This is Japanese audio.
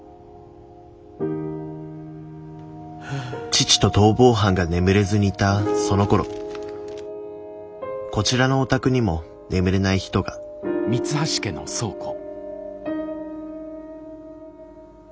父と逃亡犯が眠れずにいたそのころこちらのお宅にも眠れない人が・博子。